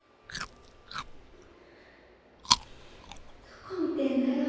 どこ見てんのよ。